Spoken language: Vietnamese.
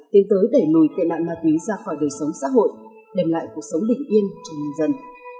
tiến tới đẩy lùi tệ nạn ma túy ra khỏi đời sống xã hội đem lại cuộc sống bình yên cho nhân dân